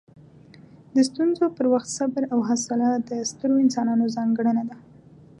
د ستونزو پر وخت صبر او حوصله د سترو انسانانو ځانګړنه ده.